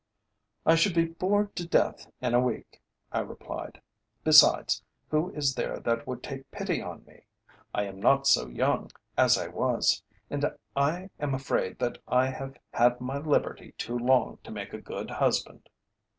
"I should be bored to death in a week," I replied. "Besides, who is there that would take pity on me? I am not so young as I was, and I am afraid that I have had my liberty too long to make a good husband."